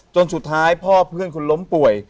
จนสุดท้ายพ่อเพื่อนคนล้มป่วย